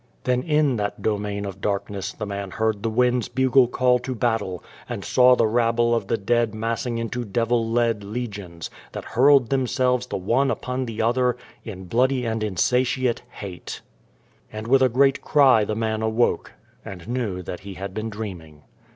Then in that domain of darkness the man heard the wind's bugle call to battle, and saw the rabble of the dead massing into devil led 32 The Dream of the Dead Folk legions, that hurled themselves the one upon the other in bloody and insatiate hate. And with a great cry the man awoke, and knew that he had been dreaming.